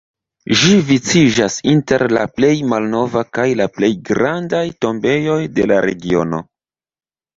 Ĝi viciĝas inter la plej malnovaj kaj plej grandaj tombejoj de la regiono.